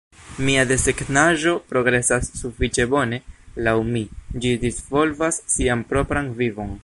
Mia desegnaĵo progresas sufiĉe bone, laŭ mi; ĝi disvolvas sian propran vivon.